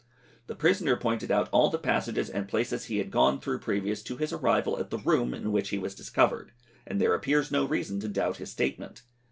The prisoner pointed out all the passages and places he had gone through previous to his arrival at the room in which he was discovered, and there appears no reason to doubt his statement.